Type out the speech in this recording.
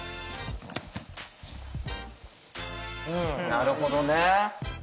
なるほどね。